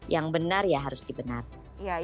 yang benar ya harus dibenarkan